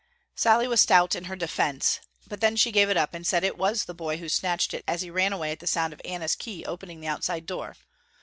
Sallie was stout in her defence but then she gave it up and she said it was the boy who snatched it as he ran away at the sound of Anna's key opening the outside door.